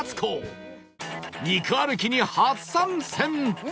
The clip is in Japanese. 肉歩きに初参戦